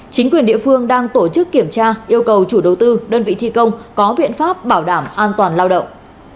chính quyền địa phương đang tổ chức kiểm tra yêu cầu chủ đầu tư đơn vị thi công có biện pháp bảo đảm an toàn lao động